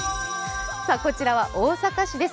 こちらは大阪市です。